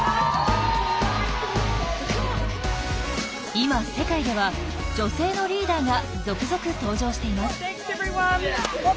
今世界では女性のリーダーが続々登場しています。